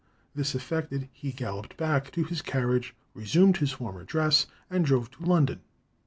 This effected, he galloped back to his carriage, resumed his former dress, and drove to London.